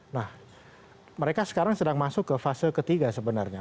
nah mereka sekarang sedang masuk ke fase ketiga sebenarnya